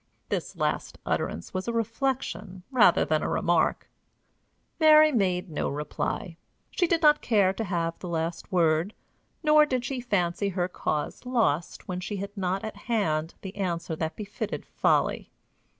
This last utterance was a reflection rather than a remark. Mary made no reply. She did not care to have the last word; nor did she fancy her cause lost when she had not at hand the answer that befitted folly.